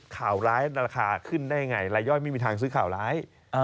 ข่าวร้ายราคาขึ้นได้ยังไงรายย่อยไม่มีทางซื้อข่าวร้าย